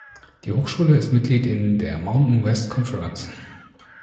Die Hochschule ist Mitglied in der "Mountain West Conference".